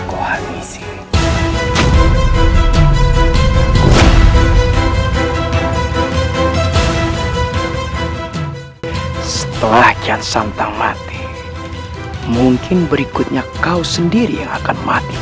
kau akan berhenti